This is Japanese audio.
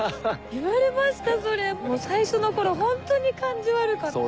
言われましたそれ最初の頃ホントに感じ悪かった。